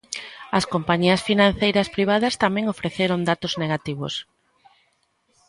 As compañías financeiras privadas tamén ofreceron datos negativos.